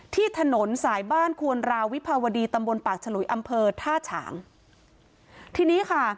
ที่ถนนสายบ้านควรราวิภาวดีตำบลปากฉลุยอำเภอท่าฉางทีนี้ค่ะ